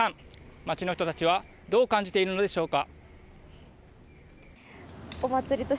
街の人たちはどう感じているのでしょうか。